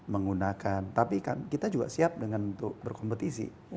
bersaing untuk berkompetisi